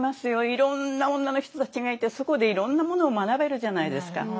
いろんな女の人たちがいてそこでいろんなものを学べるじゃないですか。